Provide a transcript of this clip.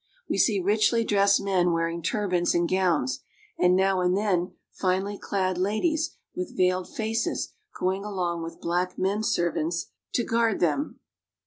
We see richly dressed men wearing turbans and gowns, and now and then finely clad ladies with veiled faces going along with black men servants to guard them.